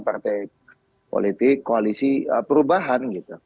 partai politik koalisi perubahan